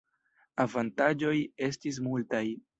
Avantaĝoj estis multaj.